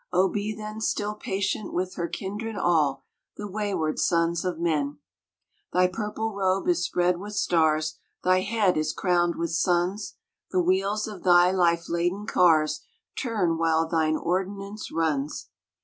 Oh, be then Still patient with her kindred, all The wayward sons of men !" Thy purple robe is spread with stars, Thy head is crowned with suns, The wheels of Thy life laden cars Turn while Thine ordinance runs.